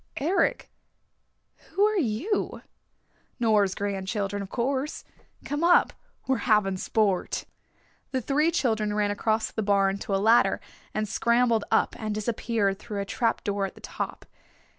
"Eric, who are you?" "Nora's grandchildren, of course. Come up. We're having sport." The three children ran across the barn to a ladder and scrambled up and disappeared through a trap door at the top.